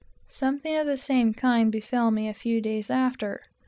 Something of the same kind befell me a few days after.